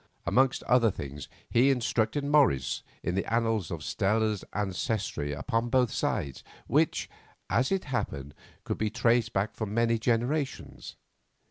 Amongst other things he instructed Morris in the annals of Stella's ancestry upon both sides, which, as it happened, could be traced back for many generations.